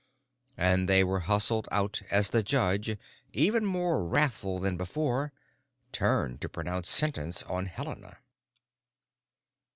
'" And they were hustled out as the judge, even more wrathful than before, turned to pronounce sentence on Helena.